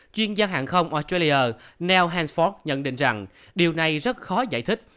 chuyên gia hàng không australia nell hansford nhận định rằng điều này rất khó giải thích